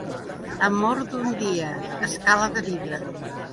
Amor d'un dia, escala de vidre.